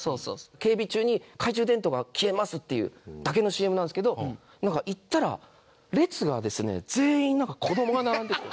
警備中に懐中電灯が消えますっていうだけのＣＭなんですけどなんか行ったら列がですね全員子供が並んでて。